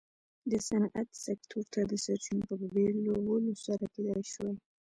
د صنعت سکتور ته د سرچینو په بېلولو سره کېدای شوای.